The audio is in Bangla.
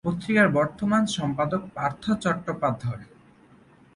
পত্রিকার বর্তমান সম্পাদক পার্থ চট্টোপাধ্যায়।